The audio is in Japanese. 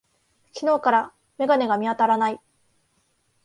昨日から眼鏡が見当たらない。